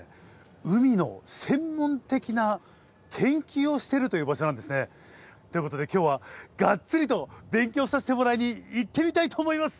海の専門的な研究をしているという場所なんですね。ということで今日はがっつりと勉強させてもらいに行ってみたいと思います。